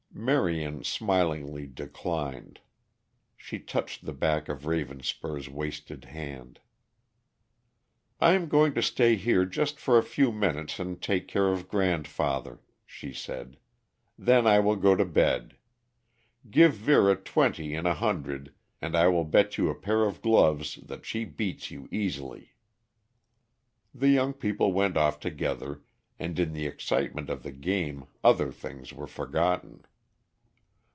Marion smilingly declined. She touched the back of Ravenspur's wasted hand. "I am going to stay here just for a few minutes and take care of grandfather," she said; "then I will go to bed. Give Vera twenty in a hundred, and I will bet you a pair of gloves that she beats you easily." The young people went off together and in the excitement of the game other things were forgotten.